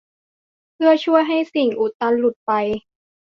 เพื่อช่วยให้สิ่งอุดตันหลุดไป